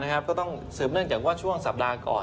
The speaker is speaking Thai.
ก็ต้องสืบเนื่องจากว่าช่วงสัปดาห์ก่อน